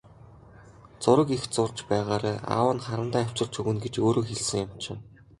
Зураг их зурж байгаарай, аав нь харандаа авчирч өгнө гэж өөрөө хэлсэн юм чинь.